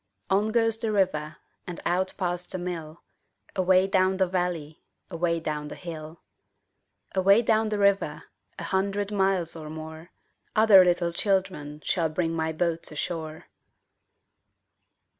On goes the river And out past the mill, Away down the valley, Away down the hill. Away down the river, A hundred miles or more, Other little children Shall bring my boats ashore.